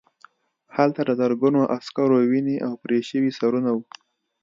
هلته د زرګونو عسکرو وینې او پرې شوي سرونه وو